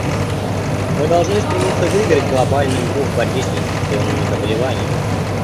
Мы должны стремиться выиграть глобальную игру в борьбе с неинфекционными заболеваниями.